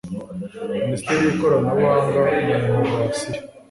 minisiteri y'ikoranabuhanga na inovasiyo